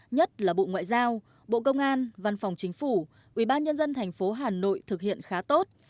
nhất là bộ ngoại giao bộ công an văn phòng chính phủ ubnd tp hà nội thực hiện khá tốt